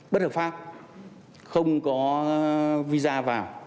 bất hợp pháp không có visa vào